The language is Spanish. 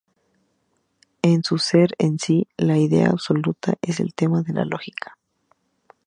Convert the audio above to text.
En su ser en sí, la Idea absoluta es el tema de la Lógica.